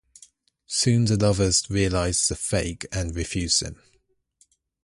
Soon the lovers realized the fake and refused them.